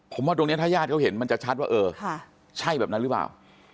ผมว่าตรงนี้ถ้าญาติเขาเห็นมันจะชัดว่าเออใช่แบบนั้นหรือเปล่า